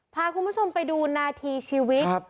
พาคุณผู้ชมไปดูนาทีชีวิต